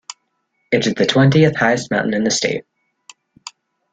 It is the twentieth highest mountain in the state.